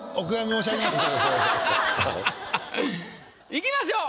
いきましょう。